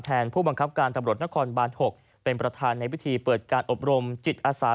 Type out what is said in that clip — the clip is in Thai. ผู้บังคับการตำรวจนครบาน๖เป็นประธานในพิธีเปิดการอบรมจิตอาสา